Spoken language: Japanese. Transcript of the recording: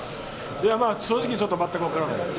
いやまあ、正直ちょっと全く分からないです。